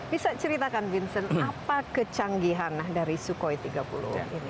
bisa ceritakan vincent apa kecanggihan dari sukhoi tiga puluh ini